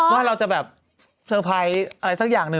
ว่าเราจะแบบเซอร์ไพรส์อะไรสักอย่างหนึ่ง